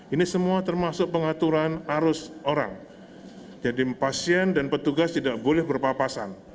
ini semua termasuk pengaturan arus orang jadi pasien dan petugas tidak boleh berpapasan